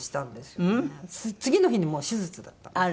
次の日にもう手術だったので。